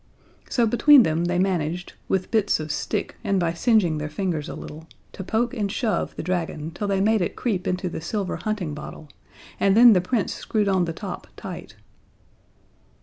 So between them they managed, with bits of stick and by singeing their fingers a little, to poke and shove the dragon till they made it creep into the silver hunting bottle, and then the Prince screwed on the top tight.